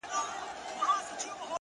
زما چي راسي کلکه غېږه راکړي راته”